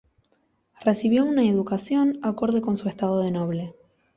Recibió una educación acorde con su estado de noble.